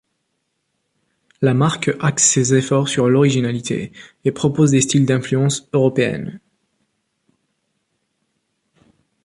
La marque axe ses efforts sur l'originalité, et propose des styles d'influence européenne.